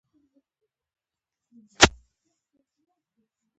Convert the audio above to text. ماشوم ماشومه ماشومان